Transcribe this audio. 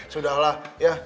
sudah lah ya